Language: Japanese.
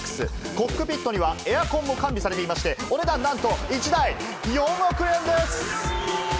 コックピットにはエアコンも完備されていまして、お値段なんと、１台４億円です！